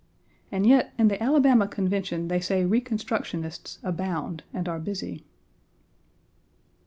And yet in the Alabama Convention they say Reconstructionists abound and are busy.